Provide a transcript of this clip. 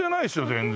全然。